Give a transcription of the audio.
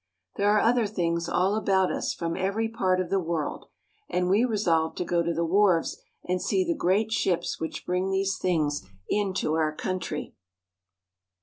There are other things all about us from every part of the world, and we resolve to go to the wharves and see the great ships which bring these things into our country.